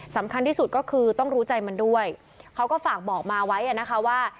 สำคัญที่สุดก็คือต้องรู้ใจมันด้วยเขาก็ฝากบอกมาไว้อ่ะนะคะว่า